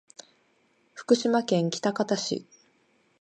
福島県喜多方市